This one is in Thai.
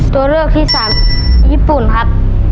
ตัวเลือกที่สามญี่ปุ่นครับ